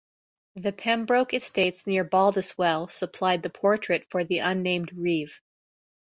The Pembroke estates near Baldeswelle supplied the portrait for the unnamed Reeve.